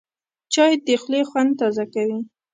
چای د خولې خوند تازه کوي